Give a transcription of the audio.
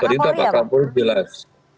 perintah pak kapolri jelas